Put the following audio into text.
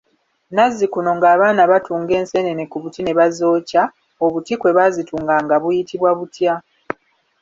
Nazzikuno ng'abaana batunga enseenene ku buti ne bazookya, obuti kwe baazitunganga buyitibwa butya?